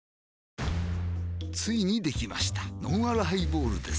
ついにできましたのんあるハイボールです